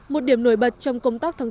một điểm nổi bật trong công tác tháng bốn